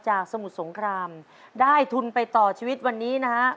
สมุทรสงครามได้ทุนไปต่อชีวิตวันนี้นะฮะ